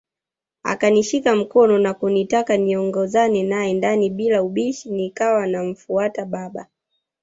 Akanishika mkono na kunitaka niongozane nae ndani bila ubishi nikawa namfuata baba